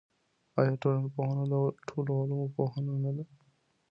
آیا ټولنپوهنه د ټولو علومو پوهنه ده؟